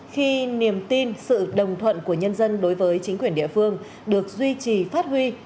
khi niềm tin sự đồng thuận của nhân dân đối với chính quyền địa phương được duy trì phát huy